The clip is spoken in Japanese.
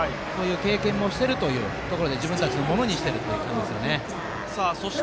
そういう経験もしてるというところで自分たちのものにしていますね。